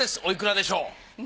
おいくらでしょう？